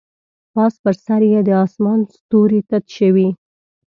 پاس پر سر یې د اسمان ستوري تت شوي